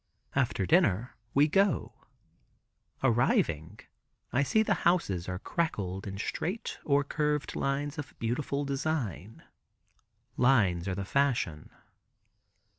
After dinner we go. Arriving, I see the houses are crackled in straight or curved lines of beautiful design. Lines are the fashion.